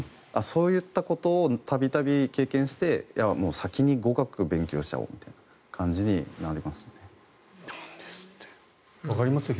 そういったことを度々経験して先に語学を勉強しちゃおうみたいな感じになりましたね。